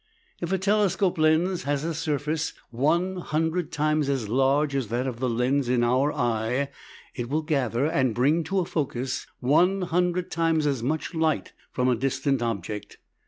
If a telescope lens has a surface one hundred times as large as that of the lens in our eye, it will gather and bring to a focus one hundred times as much light from a distant object.